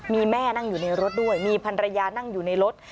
มีแม่นั่งอยู่ในรถด้วยมีพันรยานั่งอยู่ในรถ